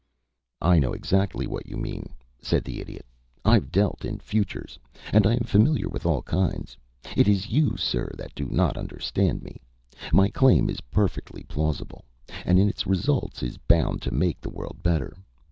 "I know exactly what you mean," said the Idiot. "I've dealt in futures, and I am familiar with all kinds. It is you, sir, that do not understand me. My claim is perfectly plausible, and in its results is bound to make the world better.